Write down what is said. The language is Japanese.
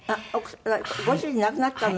ご主人亡くなったの？